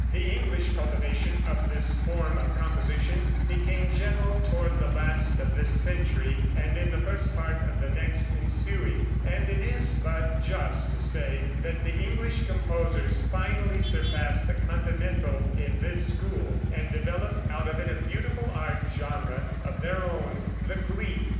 The English cultivation of this form of composition became general toward the last of this century, and in the first part of the next ensuing, and it is but just to say that the English composers finally surpassed the continental in this school, and developed out of it a beautiful art genre of their own, the glee.